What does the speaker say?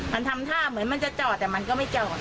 มันทำท่าเหมือนมันจะจอดแต่มันก็ไม่จอด